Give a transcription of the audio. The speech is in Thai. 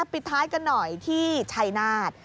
ปิดท้ายกันหน่อยที่ชัยนาธ